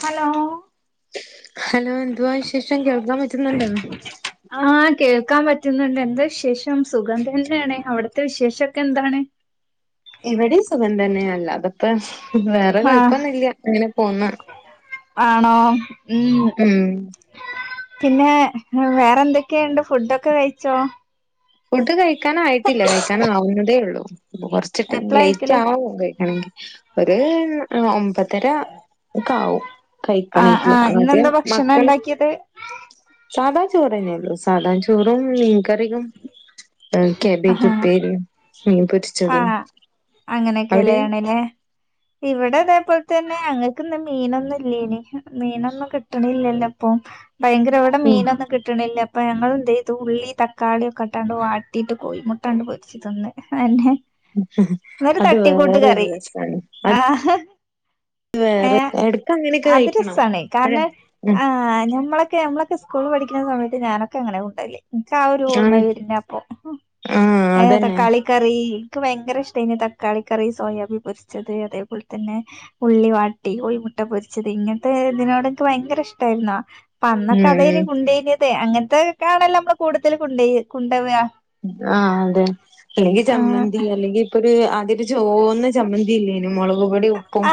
Hello hello എന്തുവാ വിശേഷം കേൾക്കാൻ പറ്റുന്നുണ്ടോ ക്കാൻ പറ്റുന്ന്ണ്ട് എന്താ വിശേഷം സുഖം തന്നെയാണ് അവിടുത്തെ വിശേഷഒക്കെ എന്താണ്- ഇവിടെയും സുഖം തന്നെയല്ല അതപ്പ വേറെ ആഹ് കുഴപ്പൊന്നുല്ല്യ അങ്ങനെ പോന്ന് ആണോ ഉം ഉം പിന്നെ വേറെ എന്തൊക്കെണ്ട്? ഫുഡൊക്കെ കഴിച്ചോ? ഫുഡ് കയി കഴിക്കാൻ ആയിട്ടില്ല കഴിക്കാൻ ആവുന്നതേ ഉള്ളൂ. ഇപ്പ കൊറച്ചിട്ട് എപ്പളാ ലേറ്റ് കഴിക്കല് ആവും കഴിക്കണങ്കി ഒര് ഏഹ് ഒ മ്പതര. ഒക്കാവും ആഹ് കഴിക്കണേങ്കില്. ആഹ് ആദ്യം ഇന്നെന്താ ഭക്ഷണം മക്കളിം ഉണ്ടാക്കിയത് സാധാ ചോറന്നെ ഒള്ളു. സാധാ ചോറും മീൻകറിയും. ഏഹ് കബേജ് ആഹ് ഉപ്പേരിം മീൻ പൊരി ആഹ് അങ്ങനെക്കെലേണ് ലേ. ഇവിടെദേ പോൽ തന്നെ ഞങ്ങക്ക് ന്ന് മീനൊന്നും ഇല്ലേനി. മീനൊന്നും കിട്ട്ണില്ലല്ലോ ഇപ്പം ഭയങ്കര ഇവടെ ഉം മീനൊന്നും കിട്ട്ണില്ല പ്പം ഞങ്ങളെന്തയ്തു ഉള്ളി തക്കാളിയൊക്കെട്ടാണ്ട് വാട്ടിയിട്ട് കോഴിമുട്ടാണ്ട് പൊരിച്ച് തിന്ന്. അതന്നെ ഇന്നൊരു അത് തട്ടിക്കൂട്ട് വേറൊരു കറി രസാണ് ആഹ് ഏഹ് എടക്ക് അങ്ങനെയൊക്കെ അത് കഴിക്കണം രസാണെ. അപ്പഴ കാരണം ഉം ഏഹ് ഞമ്മള് ക്കെ ഞമ്മളൊക്ക സ്കൂളില് പഠിക്ക്ണ സമയത്ത് ഞാനൊക്കെങ്ങനെ കുണ്ടവല്. ഇൻക്കാ ഒരോർമ്മെ ആഹ് വര്ന അപ്പം. ആഹ് ഏഹ് അതന്നെ തക്കാളിക്കറി ക്ക് ഭയങ്കര ഇഷ്ടേനി തക്കാളി കറി, സോയാബി പൊരിച്ചത്, അതേപോലെ തന്നെ ഉള്ളി വാട്ടി കോഴിമുട്ട പൊരിച്ചത് ഇങ്ങൻത്തെ ഇതിനോട് ഇൻക്ക് ഭയങ്കര ഇഷ്ടായ്രുന്നോ അന്നൊക്കെ ഉം അതേലും. [unintelligible] അതെ അങ്ങനത്തെയൊക്കെ ആണല്ലോ നമ്മള് കൂടുതൽ കൊണ്ടര് കൊണ്ട് വരാ. ആഹ് അതെ അല്ലെങ്കിൽ ആ ചമ്മന്തി അല്ലെങ്കിൽ. ഇപ്പോ ഒരു അടു ഒരു ചവുന്ന ചമ്മന്തിയില്ലേ? നമ്മള് ഒരുപിടി ഉപ്പും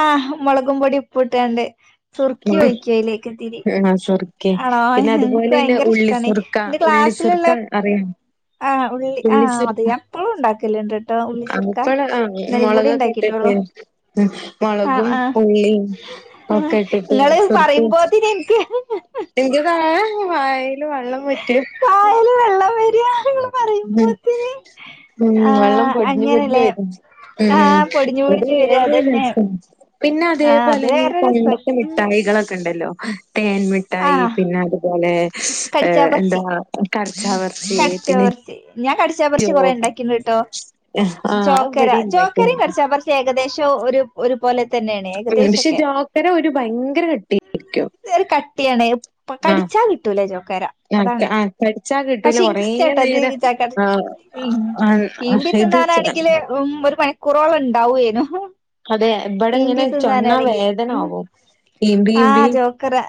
മുളകുപൊടി ഉപ്പും ഇട്ടോണ്ട്. സുർക്കി ഒഴിക്കും അതിലേക്ക് ഇത്തിരി, ആഹ് സുർക്കെ ആണോ പിന്നെ എനിക്ക് അതുപോലെ തന്നെ ഭയങ്കര ഇഷ്ടാണ് ഉള്ളിസുർക്ക എന്റെ ഉള്ളിസുർക്ക ക്ലാസ്സിലുള്ള അറിയാം ആഹ് ഉള്ളി ആഹ് അതെ ഉള്ളിസുർക്ക എപ്പളും ഉണ്ടാക്കാല് ഉണ്ട് കേട്ടോ, ഉള്ളി സുർക്ക അപ്പള് ആഹ് ഇന്നലെയും കൂടി മുളകൊക്കെ ഇട്ടിട്ട് ഉണ്ടാക്കിട്ടോള്ളൂ. ഉം മുളകും ഉള്ളിയും ഒക്കെ. ഇട്ടിട്ട് നിങ്ങള് പറയുമ്പോൾ എനിക്ക്. എനിക്ക് കാണാം വായിൽ വെള്ളം വറ്റ്. വരുവാണ്. ഉം ഉം വെള്ളം ആഹ് പൊടിഞ്ഞു പൊടിഞ്ഞു അങ്ങനെല്ലേ വരുന്നു ഉം ആഹ് പൊടിഞ്ഞു അത് പൊടിഞ്ഞു വരാ അതന്നെ വേറെരസം. പിന്നെ ആഹ് അത് അതേപോലെ തന്നെ ഈ വേറെ രസം പണ്ടത്തെ ഉം മിഠായികളൊക്കെ ഉണ്ടല്ലോ. ആഹ് തേൻ മിഠായി ആഹ് പിന്നെ അതുപോലെ കടിച്ചാ ഏഹ് പർച്ചി എന്താ [unintelligible] ഏഹ് പിന്നെ [unintelligible] ഞാൻ കടിച്ചാ പറച്ചി കൊറേ ജോക്ക് ഇണ്ടാക്കിണ്ട് ട്ടോ, ആഹ് അത് ജോക്കര ഇവടിം ജോക്കരയും ഇണ്ടാക്കിണ്ട് കടിച്ചാ പറച്ചിയും ഏക ഏകദേശം ഒരു ഒരു ഒരു പോലെ തന്നെയാണ് ഉം പക്ഷെ ഏകദേശൊക്കെ, ജോക്കര ഒരു ഭയങ്കര കട്ടിയായിരിക്കും ഒരു കട്ടിയാണ് ആഹ് കടിച്ചാ കിട്ടൂല ചോക്കര ആഹ് അതാണേ ആഹ് കടിച്ചാ കിട്ടൂല പഷെ കൊറേ ഇൻക്ക് ഇഷ്ടാട്ടാ ഇത് നേരം [unintelligible] ആഹ് ഉം ആഹ് ഈമ്പി ഇത് ചെ തിന്നാണെങ്കില് ഉം ഒരു മണിക്കൂറോളം ഉണ്ടാവേനു. അതെ ഇബടെ ഇങ്ങനെ ഈമ്പി ചൊണ്ണാ തിന്നാനാണെങ്കെ ഉം വേദനാവും ഈമ്പി ആഹ് ഈമ്പി ജോകരാ,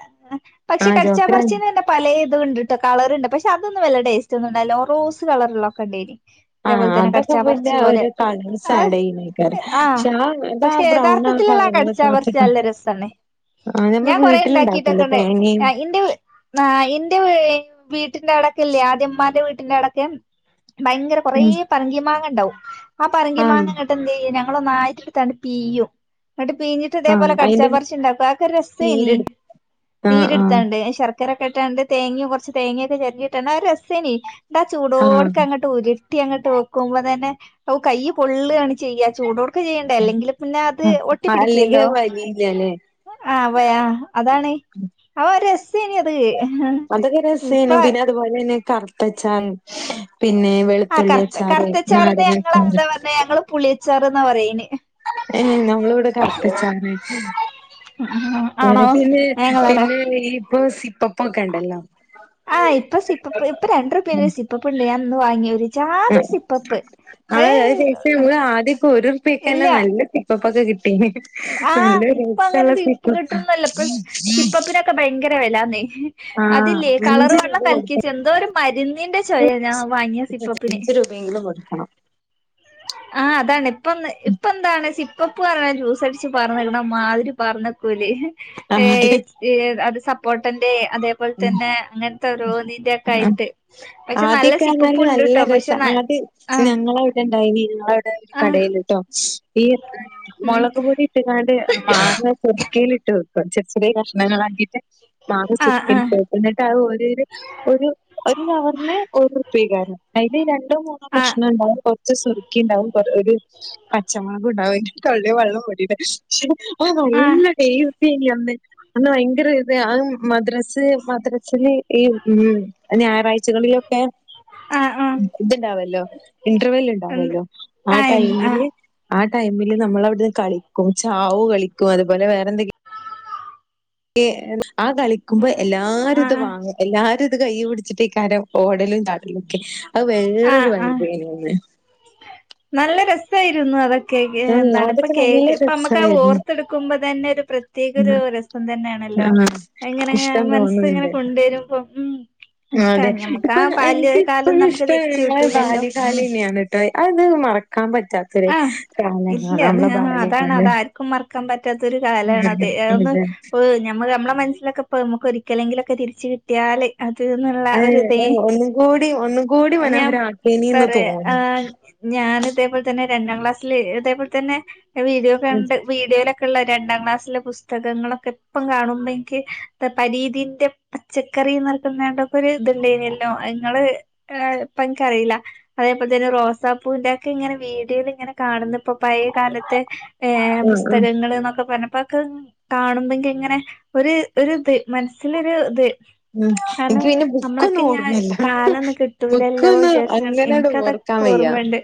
പക്ഷെ ആഹ് കടിച്ചാ ജോക്കര പറച്ചേനെ തന്നെ പലേത് [unintelligible] ഇണ്ട് ട്ടോ കളറിണ്ട് പക്ഷെ അത് ഒന്നും വല്യ ടേസ്റ്റ് ഒന്നും ഉണ്ടായില്ല, റോസ് കളറിലൊക്കെ ഇണ്ടേയിനി. അതേപോലെ ആഹ് തന്നെ അതൊക്കെ കടിച്ചാ പറച്ചി പിന്നെ പോലെ ഒരു കളേഴ്സ് ആഡ് ആഹ് ചെയ്യുന്നേക്കാരം ആഹ് പക്ഷെ ആ അതാ പക്ഷെ ബ്രൗൺ ആ യഥാർത്ഥത്തിലിള്ള കളറിലൊക്കെ കടിച്ചാ പറച്ചി അതൊക്കെ നല്ല രെസ്സണേ, ആഹ് ഞമ്മള് ഞാൻ കൊറെ വീട്ടിലുണ്ടാക്കുവല്ലോ ഇണ്ടാക്കിട്ടൊക്കണ്ട് തേങ്ങയും ഏഹ് ഇന്റെ ആഹ് ഇന്റെ [unintelligible] വീട്ടിന്റെ അവടെ ല്യേ ആദ്യം ഉമ്മാൻറെ വീട്ടിന്റെ അവിടോക്കെ ഭയങ്കര കൊറേ ഉം പറങ്കി മാങ്ങാ ഇ ണ്ടാവു ആ പറങ്കി ആഹ് മാങ്ങ ഇങ്ങട്ട് എന്ത്യ്യെഞ്ഞ നമ്മളന്നായിട്ട്ട്ത്താണ്ട് പീയും എന്നട്ട് പീഞ്ഞിട്ട് ആഹ് ഇതേപോലെ അയിന്റെ കടിച്ചാപ്പറച്ചി ഇണ്ടാക്ക അതൊക്കെ ഒരു രസേനി നീരെടു ആഹ് ആഹ് നീര്ട്ത്താണ്ട് ശർ ഇക്കരക്കെട്ടാണ്ട് തേങ്ങ്യും കൊറ്ച്ച് തേങ്ങ്യക്കെ ചെര്ണ്ട്യാ ട്ടെന്നാ രസ്സേനി എന്താ ആഹ് ചൂടോട്ക്കെ അങ്ങെട്ട് ഉര് ട്ടി അങ്ങട്ട് വെക്കുമ്പ തന്നെ കൈ പൊള്ളാണ് ചെയ്യ ചൂടോക് ഒക്ക ചെയ്യെണ്ട അല്ലെങ്കിൽ പിന്നെ അത് ഒട്ടി ആഹ് അല്ലെങ്കി പിടിക്കല്ലോ അത് വലിയില്ലല്ലേ ആഹ് പൊയാ അതാണ് അവ ഒര് രസ ശെരി അത് അതൊക്കെ രസേനു പിന്നെ അതുപോലന്നെ കർത്തച്ചാൻ പിന്നെ ആ വെളുത്തുള്ളി കറുത്ത അച്ചാറ് നാരങ്ങ അച്ചാറ് അച്ചാറ്ന്നാ പറയന്നൈ ഏഹ് ഞങ്ങളിവിടെ കർത്തച്ചാറ് ആണോ അങ്ങനെ പിന്നെ ഞങ്ങളടെ പിന്നെ ഇപ്പൊ സിപ് പ്പപ്പൊക്കെ ഇണ്ടല്ലോ ആഹ് ഇപ്പൊ സിപ്പപ്പ് ഇപ്പ രണ്ട്രറൂപ്യന്റെ സിപ്പപ്പില്ലേ അന്ന് വാങ്ങ്യേത് ആഹ് ആഹ് [unintelligible] ആദ്യക്കെ ഇല്ല ഒരുറുപീക്കന്നെ നല്ല സിപ്പപ്പൊക്കെ കിട്ടി ആ നല്ല ഇപ്പൊ അങ്ങനെ രുചിള്ള സിപ്പ് സിപ്പപ്പാ കിട്ടുന്നല്ല ഇപ്പൊ സിപ്പപ്പിനൊക്കെ ഭയങ്കര വിലാന്നേ അതില്ലേ കളർ വെള്ളം കൊടുക്കണം കൽക്കിവെച്ച് എന്തോ ഒരു മരുന്നിന്റെ ചൊവേര്ന്ന് ഞാൻ വാങ്ങിയാ സിപ്പപ്പിന് അഞ്ച് രൂപയെങ്കിലും കൊടുക്കണം ആഹ് അതാണ് ഇപ്പൊന്ന് ഇപ്പ എന്താണ് സിപ്പ് പ്പപ്പ് പറഞ്ഞ ജ്യൂസടിച്ച് പറഞ്ഞരക്കണ മാതിരി പറഞ്ഞക്കൂലേ ആഹ് അതെ ഏയ് ഈഹ് അത് സപ്പോട്ടന്റെ അതേപോലെ തന്നെ അങ്ങനത്തെ ഓരോ ന്നിന്റൊക്കെ ഉം ആയിട്ട് പഷേ നല്ല ആദ്യൊക്കെ സിപ്പപ്പ് പറഞ്ഞാല് നല്ല ഉണ്ട്ട്ടോ പഷേ രസാ. ന ആഹ് ഇങ്ങളെവി ടെ ആഹ് കടേലിട്ടോ ഈ ഉം മൊളക് പൊടി ഇട്ട് ങ്ങാണ്ട് മാങ്ങ ചെറ് കീലിട്ട് വെക്കും ചെറ് ചെറിയ കഷ്ണങ്ങളാക്കീട്ട് ആഹ് മാങ്ങിച്ചിരി ആഹ് എന്നിട്ട് അത് ഒരീര് ഒരു ഒരു നവറിന് ഒരു റുപ്പിക്കാന്ന് അതില് രണ്ടോ മൂന്നോ കഷ്ണം ഇണ്ടാവും ഒ ച്ച് സുറുക്കി ഇണ്ടാവും കൊ ഒരു പച്ചമോളകും ഉണ്ടാവും [unintelligible] വെള്ളം പെടിയാണ് ആഹ് നല്ല ടേസ് മിനിഞ്ഞാന്ന് അന്ന് ഭയങ്കര ഇത് ആഹ് മദ്രസ്. ത് മദ്രസേല് ഈ ഉമ് ഞായറാഴ്ചകളിലൊക്കെ ആഹ് ആഹ് ഇത്ണ്ടാവോല്ലോ ഇൻട്രവെല്ല് എന്ത് ഇണ്ടാവോല്ലോ ആ ആഹ് ആഹ് ടൈമില് ആ ടൈമി ഇനി നമ്മൾ അവിട്ന്ന് കളിക്കും ചാവ് കളിക്കും അതുപോലെ വേറെന്തെങ്കിലും ഏഹ് ആ കളിക്കുമ്പേ ആഹ് അത് കൈ പിടിച്ചട്ട് ക്കാരം ഓടലും ണ്ടാ ഇന്ക് അത് വേറൊരു ആഹ് ആഹ് വൈബെനി ന്ന് നല്ല രസായിരുന്നു അത് കേക്ക് എന്താണ് ഇപ്പൊ അതൊക്കെ നല്ല കേക്ക് ഇപ്പ അമ്മക്ക് രസായിരുന്നു ഓർത്തെടുക്കുമ്പോ തന്നെ ഒരു പ്രത്യേക ഒരു രസം തന്നെയാണല്ലോ ആഹ് ഇങ്ങനെ ഇഷ്ടം മനസ്സ് ഇങ്ങനെ തോന്നുന്നുണ്ട് കൊണ്ടരുമ്പോ ഉമ് അതെ ഇപ്പൊ എനിക്ക് കാലം ഇപ്പോഴും നമുക്ക് ഇഷ്ടം തിരിച്ചു ആഹ് കിട്ടൂലല്ലോ ബാല്യകാലെനിന്ന് ട്ടോ അത് എന്താ മറ കാമ്പൻ പറ്റാത്തൊരു ആഹ് കാല നമ്മള ബല്ല്യ കാലം കമ്പൻ പറ്റാത്തരു കാലാണ് അത് [unintelligible] നമ്മ നമ്മള മനസ്സിലൊക്കെ പം നമുക്ക് ഒരിക്കലെങ്കിലൊക്കെ തിരിച്ച് കിട്ടിയാൽ അഹ് ഏഹ് ഒന്നും കൂടി ഒന്നും കൂടി ഞാൻ മനോഹര ആക്കേനി ന്ന് പറയാ തോന്നും ആഹ് ഞാൻ ഇതേപോലെ തന്നെ രണ്ടാം ക്ലാസ്സില് അതേപോലെ തന്നെ വീഡിയോ കണ്ട് വീഡിയോയിലെ ക്ക്ള്ള രണ്ടാം ക്ലാസ്സിലെ പുസ്തകങ്ങളൊക്കെ ഇപ്പം കാണുമ്പം ഇൻക്ക് പരീതിന്റെ പച്ചക്കറിന്നർട്ട്ന്നാണ്ടൊക്കെ ഒര് ഇത്ണ്ടേന്യല്ലോ. അത് ങ്ങള് ഏഹ് ഇപ്പൻക്കറീല്ല അതേപോലെ തന്നെ റോസാപ്പൂവിന്റെ ഒക്കെ ഇങ്ങനെ വീഡിയോല് ഇങ്ങനെ കാണുന്ന് ഇപ്പൊ പഴയ കാലത്തെ ഏഹ് ഉം ഉം പുസ്തകങ്ങള് ന്നൊക്കെ പർഞ്ഞ് പ്പം ക്ക കാണുമ്പെൻക്കിങ്ങനെ ഒര് ഒര് ദ് മൻസ്സിലൊരു ദ്. ഉം കാരണം എനിക്ക് പിന്നെ ബുക്കൊന്നും നമ്മളൊക്കെ ഞാൻ ഓർമ്മല്ല കാലൊന്നും കിട്ടൂലല്ലോ ബുക്കൊന്നും വിചാച്ചാണ്ട് അങ്ങനെട് ഓർക്കാൻ ഇൻക്കതൊക്കെ വയ്യ ഓർമ്മണ്ട്.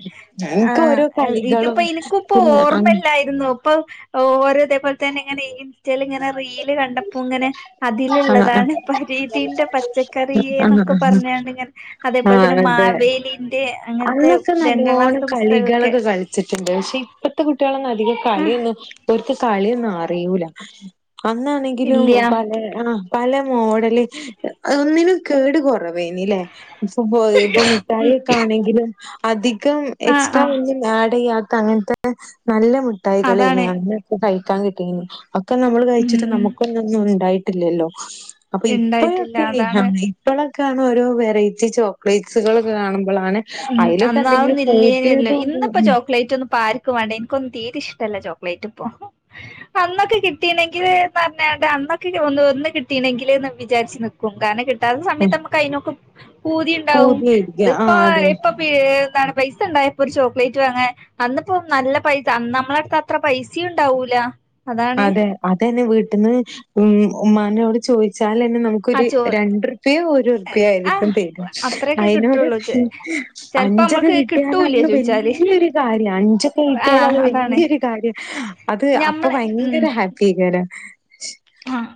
ആ എനിക്ക് ഓരോ ഇതിപ്പോ കളികളും ഇൻക്കൂപ്പ പിന്നെ ഓർമ്മല്ലായിരുന്നു. ഇപ്പത് ഓരോ ഇതേപോലെ തന്നെ ഇങ്ങനെ ഇൻ സ്‌റ്റേല് ഇങ്ങനെ റീല് കണ്ടപ്പോങ്ങനെ അതില്ള്ളതാണ് പരീതിന്റെ പച്ചക്കറിയെ ന്നൊക്കെ പറഞ്ഞാണ്ട് ഇങ്ങനെ ആ അതേപോൽ തന്നെ അതെ മാവേലിന്റെ അങ്ങനത്തെ അന്നൊക്കെ രണ്ടാം നല്ലോണം ക്ലാസ്ത്തെ കൾ ക്കെ പുസ്തകൊക്കെ കളിച്ചിട്ടുണ്ട്. പക്ഷെ ഇപ്പത്തെ കുട്ടികളൊന്നും അധികം ആഹ് കളിയൊന്നു ഓര്ക്ക് കളിയൊന്നും അറിയൂല. അന്നാണെങ്കിലും ഇല്ല്യ പലേ ആഹ് പല മോഡല് അഒന്നിനും കേട് കൊറവ് [unintelligible] ഇപ്പ ഉം മിഠായി ഇത് അധി കം ആഹ് എക്സ്ട്രാ ഒ ആഹ് ആടെയ്യാ ത്ത അങ്ങൻത്തെന്നെ നല്ല ട്ടായികളെ [unintelligible] അതാണ് [unintelligible] ഒക്കെ നമ്മള് ഉം കഴ്ച്ച്ട്ട് ഉം നമുക്കൊന്നൊന്നും ണ്ടായി ട്ട്ല്ലല്ലോ അപ്പൊ ഇണ്ടായിട്ടില്ല ഇപ്പഴൊക്കെ അതാണ് ഇപ്പഴ ക്കത് ഓരോ വെറൈറ്റി ചോക്ലേറ്റ്സുകൾ കാണും പ്പളാണ് ഉം അയ്ലൊക്കെ എന്തെങ്കിലും അന്നാതൊന്നും കൂട്ട്യേത് [unintelligible] ക്ക് വാണ്ട ഇൻക്കൊന്നും തീരെ ഇഷ്ടല്ല ചോക്ലേറ്റ് പ്പൊ അന്നൊക്കെ കിട്ടീണെങ്കിൽ പറഞാണ്ട് അന്നൊക്കെ ഒന്ന് കിട്ടീണെങ്കില്ന്ന് വിചാരിച്ച് നിക്കും കാരണം കി കിട്ടാത്ത ഉം സമയത്ത് ഞമ്മക്ക് അയ്നൊക്കെ പൂതി ണ്ടാവും പൂതിയായിരിക്ക ഇതിപ്പോ ആഹ് അതെ ഇപ്പൊ നട പൈസ ഉണ്ടായ ഇപ്പൊ ഒരു ചോക്ലേറ്റ് വാങ്ങാൻ അന്നിപ്പോ നല്ല പൈസ നമ്മള് അടുത്ത് അത്ര പൈസയും ഉണ്ടാവൂല അതാണ് അതെ അതന്നെ വീട്ടിന്ന് ഉം ഉമ്മാനോട് ചോദിച്ച് ച്ചാല് തന്നെ നമുക്ക് ആ ചോ രണ്ട് റുപ്പയോ ഒരു റുപ്പയോ ആയിരിക്കും ആഹ് തരും അത്രയൊക്കെ അതിനോട് കിട്ടുള്ളൂ ചെലപ്പോ അഞ്ചൊക്കെ നമ്മക്ക് കിട്ടിയ കിട്ടൂല അന്ന് ചോയിച്ചാല് വല്യൊരു കാര്യം അഞ്ചൊക്കെ കിട്ടിയ ആഹ് അതാണ് വല്യൊരു കാര്യം അത് അപ്പൊ ഞമ്മളെ ഫയ ഉം ഭയങ്കര ഹാപ്പി കരം ആഹ്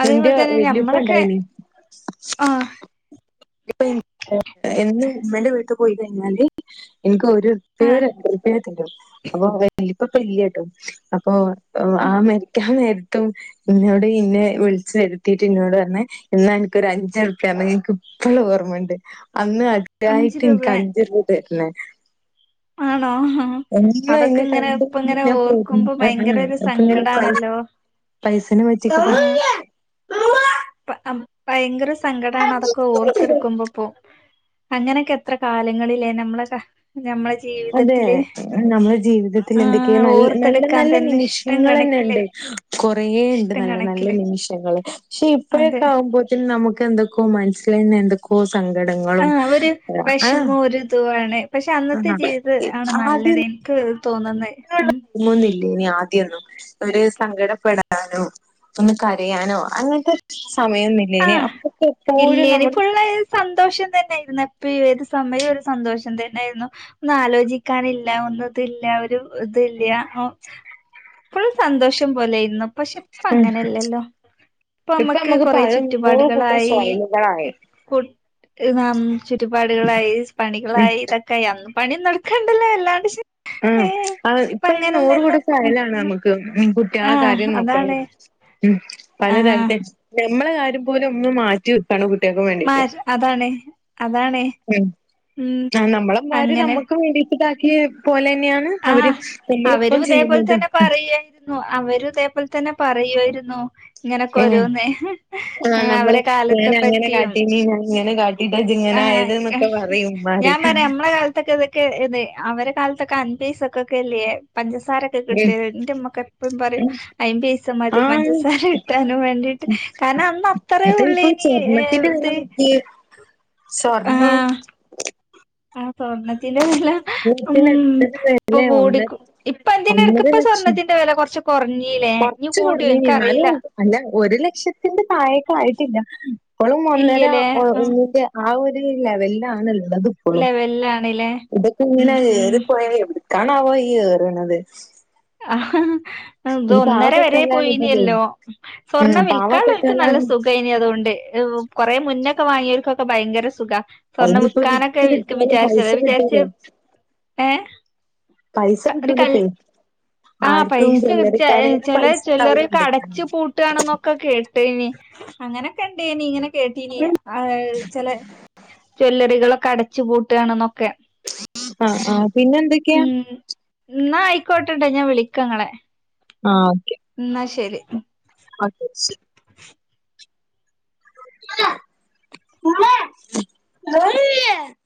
അതേപോലെ തന്നെ വല്യുപ്പ ഞമ്മളൊക്കെ ഇണ്ടായിനി ആഹ് ഇപ്പം [unintelligible] എന്നും ഉമ്മന്റെ വീട്ട് പോയി കഴിഞ്ഞാല് എനിക്ക് ഒര് റുപ്പയോ ആഹ് രണ്ടു റുപ്പയോ തരും അപ്പം [unintelligible] ഇപ്പൊ ഇല്ല്യ കേട്ടോ അപ്പൊ ആ മരിക്കാൻ നേരത്തും ഇന്നോട് ഇന്നെ വിളിച്ചു വരുത്തീട്ട് ഇന്നോട് പറഞ്ഞ് ഇന്നാ ഇനക്കൊരു അഞ്ചുറുപ്പ എനിക്ക് ഇപ്പഴും ഓർമയുണ്ട് അന്ന് അഞ്ച് അതായിട്ട് രൂപ എനിക്ക് അഞ്ച് രൂപ തരും ആണോ അല്ലേ അതൊക്കെ എന്നെ ഇങ്ങനെ കണ്ട ഇപ്പ [unintelligible] ഇങ്ങനെ [unintelligible] ഞൻ പോ ഓർക്കുമ്പോ ഭയങ്കര ഒരു അപ്പൊ സങ്കടാണല്ലോ പൈസനെ പറ്റ ഇപ്പ അഹ് ഭയങ്കര സങ്കടാണ് അതൊക്കെ ഓർത്തെടുക്കുമ്പോപ്പോ അങ്ങനെയൊക്കെ എത്ര കാലങ്ങളിലേ നമ്മളക്കെ നമ്മള് അതെ നമ്മുടെ ജീവിതത്തിൽ എന്തൊക്കെയാ ആഹ് ന നല്ല ഓർത്തെടുക്കാൻ നല്ല തന്നെ ഇഷ്ടം നിമിഷങ്ങൾ തന്നെ കണക്കില് ഉണ്ട് കൊ കൊറേയുണ്ട് ഇഷ്ടം നല്ല നല്ല കണക്കില് നിമിഷങ്ങള് പക്ഷെ അതെ ഇപ്പോഴൊക്കെ ആവുമ്പോത്തെനും നമു എന്തൊക്കൊ മനസ്സില് തന്നെ എന്തൊക്കോ ആ സങ്കടങ്ങളും ഒരു ആഹ് വിഷമോ ഒരിതും ആണ് പക്ഷെ അന്നത്തെ ആഹ് ജീവിതം ആണ് നല്ലത് ആദ്യം എനിക്ക് തോന്നുന്നത് ഉം ഇനി ആദ്യൊന്നും ഒരു സങ്കടപ്പെടാനോ ഒന്ന് കരയാനോ അങ്ങനത്തെ സമയമൊന്നില്ലേനി ആഹ് അപ്പൊക്കെ എപ്പോഴും ഇല്ലേനി നമ്മള് ഫുള്ള് സന്തോഷം തന്നെയായിരുന്നു എപ്പോഴും ഏത് സമയവും ഒരു സന്തോഷം തന്നെയായിരുന്നു ഒന്നും ആലോചിക്കാനില്ല ഒന്നും ഇതില്ല ഒരു ഇതില്ല്യ എപ്പോഴും സന്തോഷം പോലെ ആയി പക്ഷെ ഇപ്പ അങ്ങനെയല്ലല്ലോ ഇപ്പ ഇപ്പൊ നമ്മുക്ക് നമുക്ക് കൊറെ പല നൂറ് കൂട്ടം ചുറ്റുപാടുകളായി സ്വൈനുകളായി ഇം ചുറ്റുപാടുകളായി ഉം പണികളായി ഇതൊക്കായി അന്നു പണി നടക്കാണ്ടല്ലോ വല്ലാണ്ട് ആ ഇപ്പൊ നൂറ് കൂട്ട് [unintelligible] പ്പൊ നമുക്ക് കുട്ട്യാളെ ആഹ് കാര്യം നോക്ക അതാണ് ഉം ആഹ് പലതരത്തി നമ്മളെ കാര്യം പോലും മ്മ് മാറ്റി വെക്കാണ് കുട്ട്യാക്ക് മാ വേണ്ടിട്ട് അതാണ് അതാണ് ഉം ആ നമ്മളമ്മാര് അങ്ങനെ നമ്മക്ക് വേണ്ടി ഇതാക്കി പോലെ ന്നെയാണ് അവര് ആഹ് നമ്മളിപ്പം അവരും ചെയ്യുന്നത് രു ഇതേപോലെ തന്നെ പറയുവാരുന്നു ഉം ആഹ് നമ്മള് അവരെ കാലത്തെ ഞാൻ അങ്ങനെ പറ്റിയും കാട്ടീ ഞാൻ ഇങ്ങനെ കാട്ട ട്ടിട്ടാ ദിങ്ങനെ ആയത് ആഹ് എന്നൊക്കെ പറയുംമ്മാര് ക്കെ ഏതെ അവരെ കാലത്തൊക്കെ അൻപസക്കോക്കെ അല്ലേ പഞ്ച സാരൊക്കെ ഉം കിട്ടിയത് എന്റെമ്മക്ക എപ്പം പറയും അയിമ്പൈസം മതി ആഹ് പഞ്ചസാര കിട്ടാനും വേണ്ടീട്ട് കാരണം അന്ന് അത്രേ അത് ഇപ്പൊ ഉള്ളെനി ഏഹ് സ്വർണ്ണത്തിന്റെ വെല ഇത് നോക്കിയേ സ്വർണ്ണം ആഹ് സ്വർണത്തി ത്തിന്റെ വെല ഉം ത്തിന് എത്ര ഇപ്പ വെലയാ ഒന്ന കൂടിക്ക് ഇപ്പ ഒന്നര [unintelligible] ലക്ഷം സ്വർണത്തിന്റെ വെല കൊറച്ചു കൊറച്ച് കൊറഞ്ഞെനീ ന്നാലും അല്ല ഒരു ലക്ഷത്തിന്റെ തായെക്കായിട്ടില്ല ഇപ്പോളും ഒന്നര ഇല്ല്യലേ ആ ഒന്നിന്റെ ആ ഒ രു ലെവലിലാണ് ഇള്ളത് അത് ഇപ്പളും ലെവലിലാണ്ലേ ഉം ഇതൊക്കെങ്ങനെ ഉം [unintelligible] കാണാവോ ഈ ഏറ്ണത് അഹ് ഇത് ഈ ഒന്നര വരെ പാവപ്പെട്ടവരാണ് ഇതിലേ പോയ്നല്ലോ ഉം സ്വർണ്ണം വിൽക്കാള്ളോൽക്ക് നല്ല പാവപ്പെട്ടവരിലാണ് സുഖയ്നി അതോണ്ട് കൊറെ മുന്നൊക്കെ വാങ്ങിയോ കോക്കെ ഭയങ്കര സുഖ സ്വർണ്ണം അയിനിപ്പോ വിക്കാനൊക്കെ വിറ്റ് കിട്ടിയാലും പൈസ വിചാര്ച്ചത് വിചാര്ച്ച് കിട്ടൂലേ ഏ പൈസ ഒര് കൽ കിട്ടൂലപ്പേ ആ ആർക്കും പൈസ ചില്ലറക്കാരേലും ചെല പൈസ ജ്വല്ലറിയോക്കെ ഉണ്ടാവലുണ്ട്. അടച്ച് പൂട്ടാണ്ന്നൊക്കെ കേട്ടിനി അങ്ങനെ ണ്ടേനി [unintelligible] കേട്ടിനി അഹ് ചെല ജ്വല്ലറികളൊക്കെ അട ച്ച് പൂട്ടാണ് ആഹ് ആഹ് പിന്നെന്തൊക്കെയാ ഇന്നാ ആയ്ക്കോട്ടട്ടൊ ഞാൻ വിളിക്കങ്ങളെ ആഹ് ഓക്കെ ന്നാ ശെരി ഓക്കെ [unintelligible] [unintelligible]